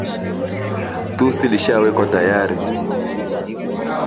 tusi lilishawekwa tayari